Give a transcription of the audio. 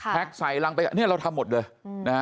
แพ็คใส่ลั่งไปเนี่ยเราทำหมดเลย